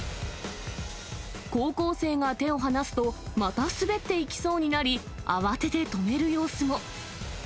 高校生が手を離すと、また滑っていきそうになり、慌てて止める様子も。